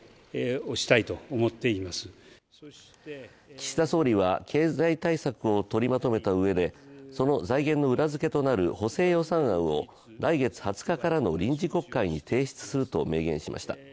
岸田総理は経済対策を取りまとめたうえでその財源の裏付けとなる補正予算案を来月２０日からの臨時国会に提出すると明言しました。